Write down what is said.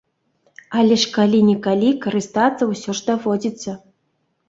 Але ж калі-нікалі карыстацца ўсё ж даводзіцца.